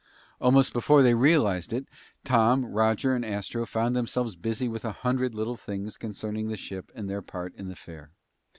Almost before they realized it, Tom, Roger, and Astro found themselves busy with a hundred little things concerning the ship and their part in the fair.